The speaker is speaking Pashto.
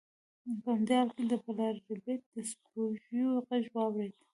په همدې حال کې پلار ربیټ د سپیو غږ واورید